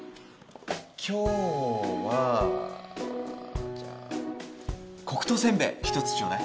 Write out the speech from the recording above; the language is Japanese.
今日はじゃあ「黒糖せんべい」１つちょうだい。